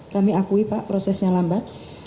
kami akui pak prosesnya lambat